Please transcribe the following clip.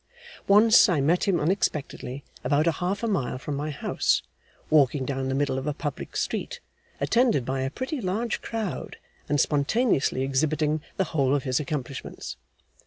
Once, I met him unexpectedly, about half a mile from my house, walking down the middle of a public street, attended by a pretty large crowd, and spontaneously exhibiting the whole of his accomplishments.